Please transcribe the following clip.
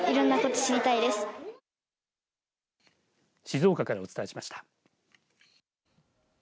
静岡からお伝えしました。